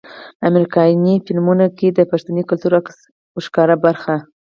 امريکني فلمونو کښې د پښتني کلتور عکس وړومبۍ برخه